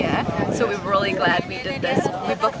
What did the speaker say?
tapi perhubungan ini sangat sulit